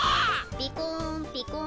ピコーンピコーン。